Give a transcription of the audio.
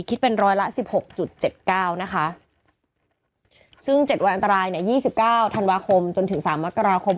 คิดเป็นร้อยละสิบหกจุดเจ็ดเก้านะคะซึ่ง๗วันอันตรายเนี่ย๒๙ธันวาคมจนถึงสามมกราคม